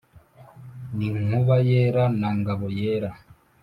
n’inkuba yera na ngabo yera.